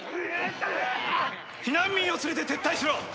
避難民を連れて撤退しろ！